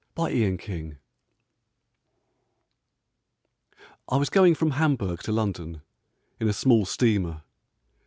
ON THE SEA I WAS going from Hamburg to London in a small steamer.